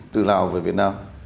từ lào về việt nam